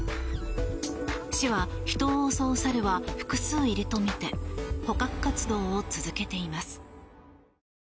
市は、人を襲う猿は複数いると見て捕獲活動を続けています。